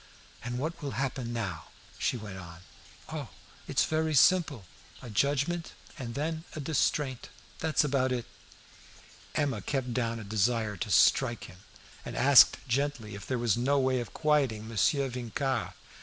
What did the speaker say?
"And what will happen now?" she went on. "Oh, it's very simple; a judgment and then a distraint that's about it!" Emma kept down a desire to strike him, and asked gently if there was no way of quieting Monsieur Vincart.